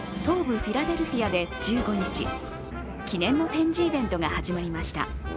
フィラデルフィアで１５日、記念の展示イベントが始まりました。